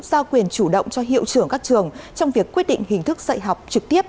giao quyền chủ động cho hiệu trưởng các trường trong việc quyết định hình thức dạy học trực tiếp